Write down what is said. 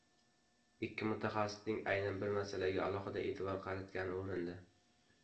Ikki mutaxasisning aynan bir masalaga alohida e'tibor qaratgani o'rinli.